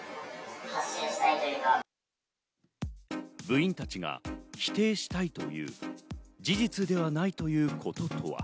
部員たちが否定したいという事実ではないということとは？